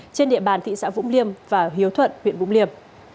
trên địa bàn thị xã vũng liêm và hiếu thuận huyện vũng liêm